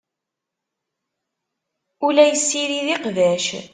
Ur la yessirid iqbac.